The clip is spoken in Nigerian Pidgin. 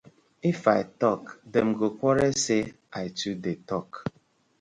If I tok dem go quarll say I too dey tok.